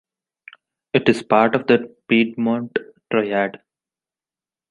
It is part of the Piedmont Triad.